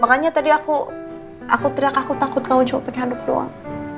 makanya tadi aku aku teriak aku takut kamu cuma pakai aduk doang